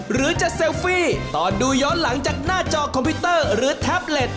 หรือจะเซลฟี่ตอนดูย้อนหลังจากหน้าจอคอมพิวเตอร์หรือแท็บเล็ต